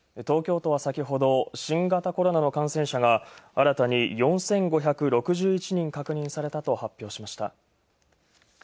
東京都は先ほど新型コロナの感染者が新たに４５６１人確認されたと発表しました。